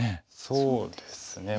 そうですね。